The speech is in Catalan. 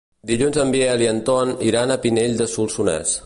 Dilluns en Biel i en Ton iran a Pinell de Solsonès.